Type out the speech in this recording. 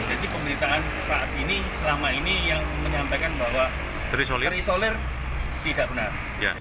jadi pemerintahan selama ini yang menyampaikan bahwa terisolir tidak benar